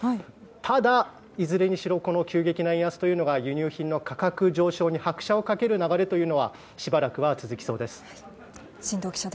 ただ、いずれにしろこの急激な円安というのが輸入に拍車を掛ける流れはしばらく続きそうです。